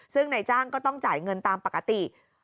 ซึ่งนายจ้างก็ต้องจ่ายเงินตามปกติ